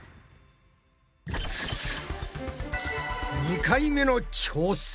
２回目の挑戦。